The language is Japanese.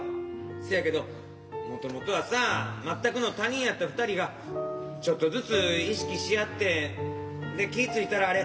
そやけどもともとはさぁ全くの他人やった二人がちょっとずつ意識し合ってで気ぃ付いたらあれ？